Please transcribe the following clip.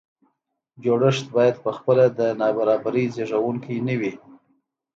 جوړښت باید په خپله د نابرابرۍ زیږوونکی نه وي.